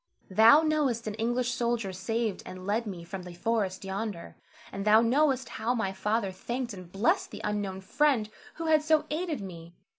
Thou knowest an English soldier saved and led me from the forest yonder, and thou knowest how my father thanked and blessed the unknown friend who had so aided me.